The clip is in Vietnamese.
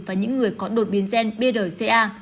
và những người có đột biến gen brca